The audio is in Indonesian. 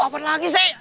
apa lagi sih